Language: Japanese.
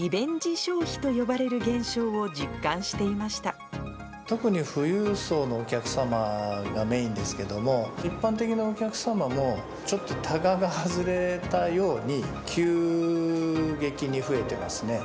消費と呼ばれ特に富裕層のお客様がメインですけども、一般的なお客様も、ちょっとたがが外れたように、急激に増えてますね。